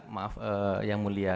maaf yang mulia